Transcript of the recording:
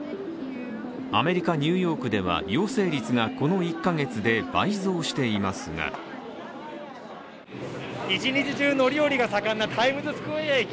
アメリカ・ニューヨークでは陽性率がこの１カ月で倍増していますが一日中、乗り降りが盛んなタイムズスクエア駅。